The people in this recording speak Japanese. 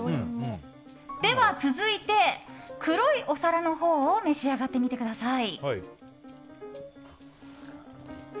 続いて、黒いお皿のほうを召し上がってみてください。